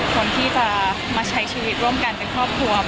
คนที่จะมาใช้ชีวิตร่วมกันเป็นครอบครัว